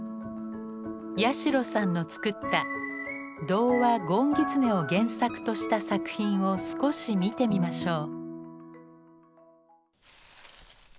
八代さんの作った童話「ごんぎつね」を原作とした作品を少し見てみましょう。